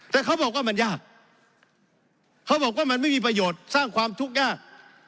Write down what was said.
แต่เขาบอกว่ามันยากเขาบอกว่ามันไม่มีประโยชน์สร้างความทุกข์ยาก